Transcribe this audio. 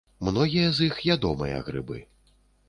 Многія з іх ядомыя грыбы.